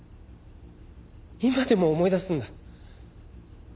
今でも思い出すんだ。